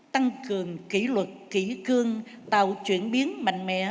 tăng cường kỹ luật kỹ cương tạo chuyển biến mạnh mẽ